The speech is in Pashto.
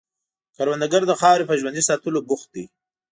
کروندګر د خاورې په ژوندي ساتلو بوخت دی